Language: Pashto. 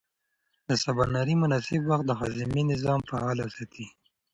د سباناري مناسب وخت د هاضمې نظام فعال ساتي.